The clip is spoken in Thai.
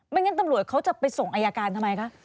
งั้นตำรวจเขาจะไปส่งอายการทำไมคะ